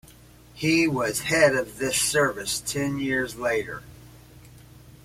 He was head of this service ten years later.